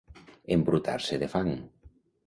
Embrutar-se de fang.